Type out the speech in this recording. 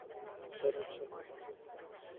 সে-লক্ষ্মীছাড়ার চালচুলো আছে কি।